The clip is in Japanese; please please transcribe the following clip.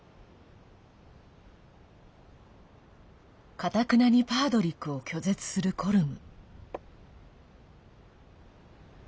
かたくなにパードリックを拒絶するコルム。